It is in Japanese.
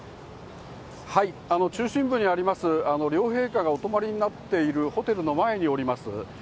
中心部にあります、両陛下がお泊りになっているホテルの前におります。